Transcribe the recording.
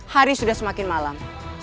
hari sudah semakin malam